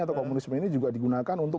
atau komunisme ini juga digunakan untuk